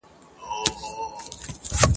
له خوشحاله بیا تر اوسه ارمانجن یو `